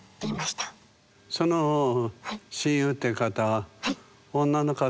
その親友っていう方は女の方？